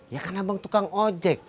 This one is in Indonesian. ya kan abang tukang ojek